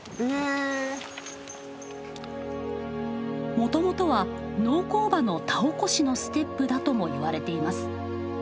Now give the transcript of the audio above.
もともとは農耕馬の田おこしのステップだとも言われています。